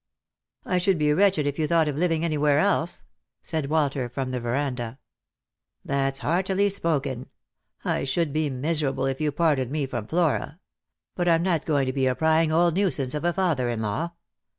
" I should be wretched if you thought of living anywhere else," said Walter from the verandah. " That's heartily spoken. I should be miserable if you parted me from Flora. But I'm not going to be a prying old nuisance of a father in law.